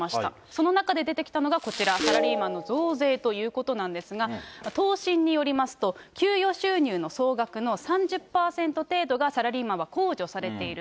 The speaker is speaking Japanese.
その中で出てきたのがこちら、サラリーマンの増税ということなんですが、答申によりますと、給与収入の総額の３０％程度がサラリーマンは控除されている。